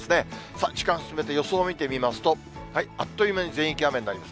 さあ、時間進めて予想を見てみますと、あっという間に全域雨になります。